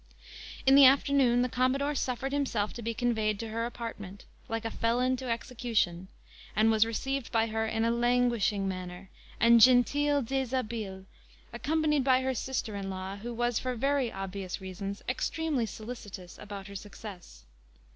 In the afternoon the commodore suffered himself to be conveyed to her apartment, like a felon to execution, and was received by her in a languishing manner, and genteel dishabille, accompanied by her sister in law, who was, for very obvious reasons, extremely solicitous about her success.